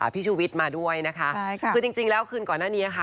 พี่ชุวิตมาด้วยนะคะคือจริงแล้วคืนก่อนหน้านี้ค่ะ